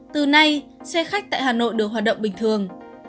từ nay xe khách tại hà nội được hoạt động bình thường